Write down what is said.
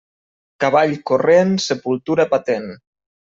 Cavall corrent, sepultura patent.